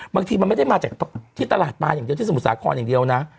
บางทีมันไม่ได้มาจากที่ตลาดปลาอย่างเดียวที่สมุทรสาครอย่างเดียวนะ